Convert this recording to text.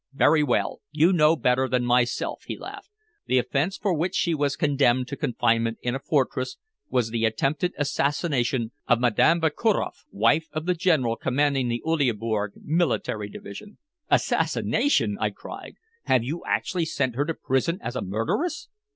"Very well. You know better than myself," he laughed. "The offense for which she was condemned to confinement in a fortress was the attempted assassination of Madame Vakuroff, wife of the General commanding the Uleaborg Military Division." "Assassination!" I cried. "Have you actually sent her to prison as a murderess?"